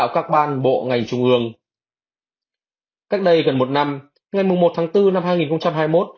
cách đây gần một năm ngay mùng một tháng bốn năm hai nghìn hai mươi một